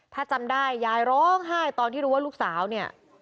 ถ้าจำได้ยายร้องไห้ตอนที่รู้ว่าลูกสาวเนี่ย